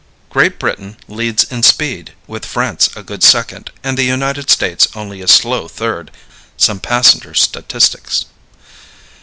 Great Britain Leads in Speed, with France a Good Second, and the United States Only a Slow Third. Some Passenger Statistics.